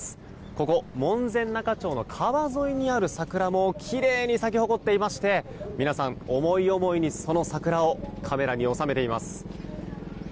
ここ、門前仲町の川沿いにある桜もきれいに咲き誇っていまして皆さん思い思いに、その桜をカメラに収めています。